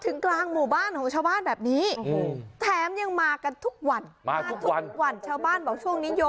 คุณผู้ชมดูนะนี่เป็นนาทีที่ชาวบ้านสันติศุกร์นะคะ